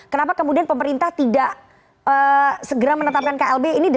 kenapa kemudian pemerintah tidak segera menetapkan klb ini desainnya apa